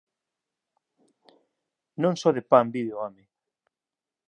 Non só de pan vive o home.